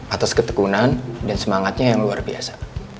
atas ketekunan dan semangatnya yang luar biasa